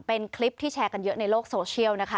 เป็นคลิปที่แชร์กันเยอะในโลกโซเชียลนะคะ